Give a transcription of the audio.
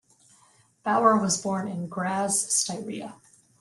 Bauer was born in Graz, Styria.